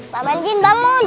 pak manjin bangun